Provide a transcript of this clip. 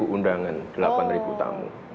empat undangan delapan tamu